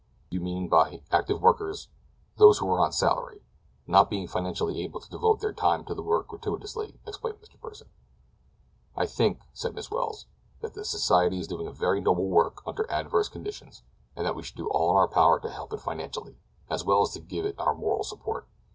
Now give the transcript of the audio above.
"You mean by active workers—" "Those who are on salary—not being financially able to devote their time to the work gratuitously," explained Mr. Pursen. "I think," said Miss Welles, "that the society is doing a very noble work under most adverse conditions, and that we should do all in our power to help it financially, as well as to give it our moral support.